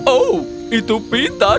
oh itu pintar